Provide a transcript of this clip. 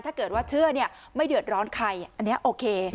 ถ้าเกิดว่าเชื่อไม่เดือดร้อนใครอันนี้โอเค